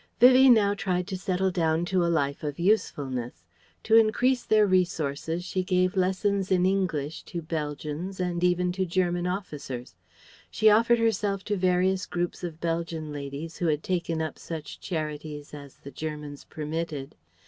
Vivie now tried to settle down to a life of usefulness. To increase their resources she gave lessons in English to Belgians and even to German officers. She offered herself to various groups of Belgian ladies who had taken up such charities as the Germans permitted.